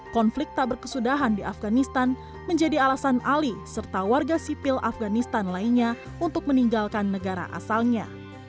konflik tak berkesudahan di afganistan menjadi alasan ali serta warga sipil afganistan lainnya untuk meninggalkan negara asalnya